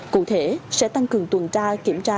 cụ thể sẽ tăng cường tuần tra